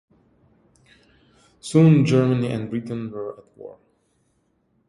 Soon, Germany and Britain were at war.